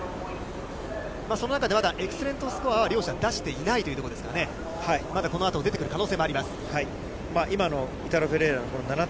その中でまだ、エクセレントスコアは両者、出していないというところですかまだこのあと出てくる可能性